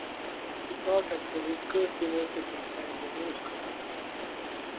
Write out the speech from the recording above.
He taught at Rutgers University and The New School.